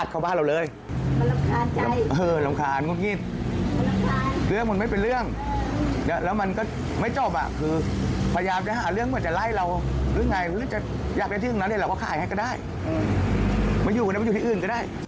ก็ขายให้ก็ได้มาอยู่กันแล้วมาอยู่ที่อื่นก็ได้